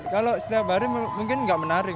kalau setiap hari mungkin nggak menarik